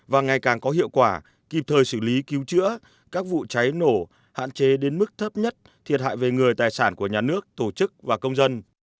và ngày càng có hiệu quả kịp thời xử lý cứu chữa các vụ cháy nổ hạn chế đến mức thấp nhất thiệt hại về người tài sản của nhà nước tổ chức và công dân